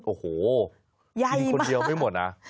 โอ้โหกินคนเดียวไม่หมดนะ